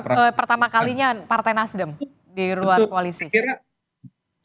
pertama kalinya partai nasdem di luar koalisi